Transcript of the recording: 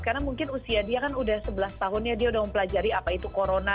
karena mungkin usia dia kan udah sebelas tahunnya dia udah mempelajari apa itu corona